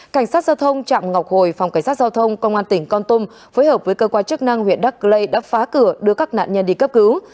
cảnh sát giao thông chạm ngọc hồi phòng cảnh sát giao thông công an tỉnh con tum phối hợp với cơ quan chức năng huyện đắc lây đã phá cửa đưa các nạn nhân đi cấp cứu